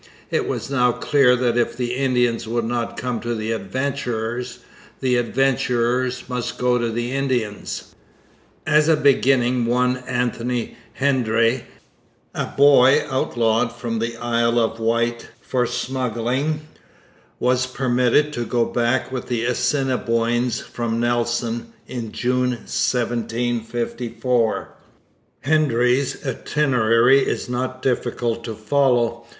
It was now clear that if the Indians would not come to the adventurers, the adventurers must go to the Indians. As a beginning one Anthony Hendry, a boy outlawed from the Isle of Wight for smuggling, was permitted to go back with the Assiniboines from Nelson in June 1754. Hendry's itinerary is not difficult to follow.